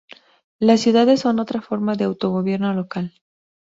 Las ciudades son otra forma de autogobierno local.